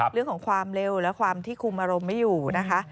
ความเร็วและความที่คุมอารมณ์ไม่อยู่นะคะ